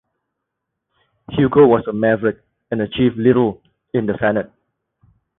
Hugo was a maverick and achieved little in the Senate.